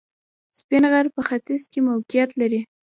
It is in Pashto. سپین غر په ختیځ کې موقعیت لري